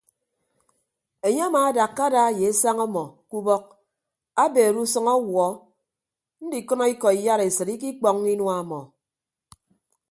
Enye amaadakka ada ye esañ ọmọ ke ubọk abeere usʌñ awuọ ndikʌnọ ikọ iyaresịt ikikpọññọ inua ọmọ.